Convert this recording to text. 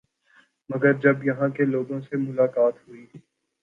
مگر جب یہاں کے لوگوں سے ملاقات ہوئی